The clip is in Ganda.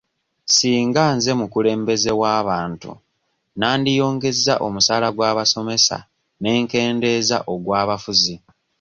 Singa nze mukulembeze w'abantu nandiyongeza omusaala gw'abasomesa ne nkendeeza ogw'abafuzi.